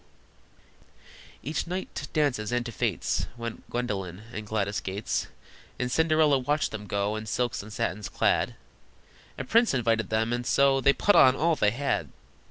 Each night to dances and to fêtes Went Gwendolyn and Gladys Gates, And Cinderella watched them go In silks and satins clad: A prince invited them, and so They put on all they had!